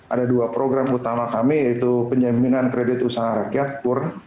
ada dua program utama kami yaitu penjaminan kredit usaha rakyat kur